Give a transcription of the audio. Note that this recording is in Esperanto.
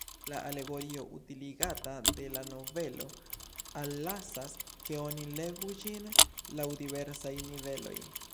La alegorio utiligata de la novelo allasas, ke oni legu ĝin laŭ diversaj niveloj.